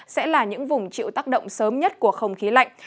sẽ là những vùng chịu tác động sớm nhất của không khí lạnh